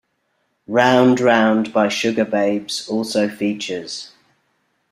Round Round by Sugababes also features.